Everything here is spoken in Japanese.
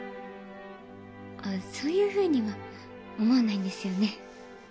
あっそういうふうには思わないんですよね。